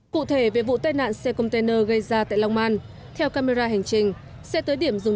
cụ thể về vụ tai nạn xe container gây ra tại long man theo camera hành trình